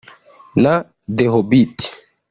na The Hobbit